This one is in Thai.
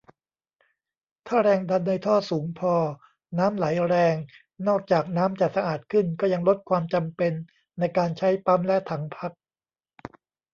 ถ้าแรงดันในท่อสูงพอ น้ำไหลแรง นอกจากน้ำจะสะอาดขึ้น ก็ยังลดความจำเป็นในการใช้ปั๊มและถังพัก